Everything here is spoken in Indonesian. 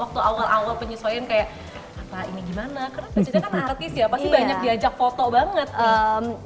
waktu awal awal penyesuaian kayak apa ini gimana karena baca kan artis ya pasti banyak diajak foto banget